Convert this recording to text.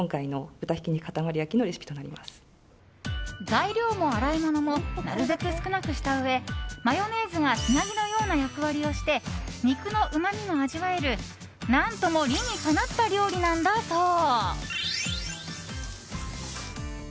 材料も洗い物もなるべく少なくしたうえマヨネーズがつなぎのような役割をして肉のうまみも味わえる何とも理にかなった料理なんだそう。